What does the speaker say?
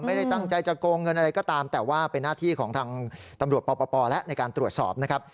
ไม่ได้ตั้งใจจะโกงเงินอะไรก็ตามแต่ว่าเป็นหน้าที่ของทางตำรวจปปแล้วในการตรวจสอบนะครับ